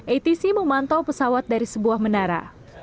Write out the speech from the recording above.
atc memantau pesawat dari sebuah menara